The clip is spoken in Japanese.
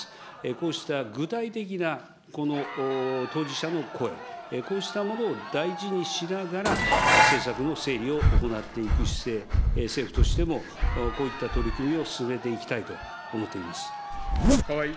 こうした具体的なこの当事者の声、こうしたものを大事にしながら、政策の整理を行っていく姿勢、政府としてもこういった取り組みを進めていきたいと思っています。